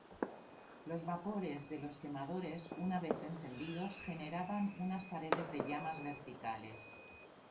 Los vapores de los quemadores una vez encendidos generaban unas paredes de llamas verticales.